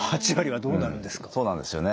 そうなんですよね。